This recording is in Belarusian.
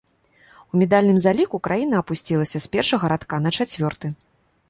У медальным заліку краіна апусцілася з першага радка на чацвёрты.